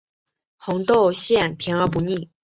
红豆馅甜而不腻